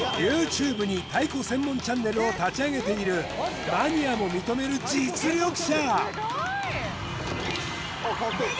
ＹｏｕＴｕｂｅに太鼓専門チャンネルを立ち上げているマニアも認める実力者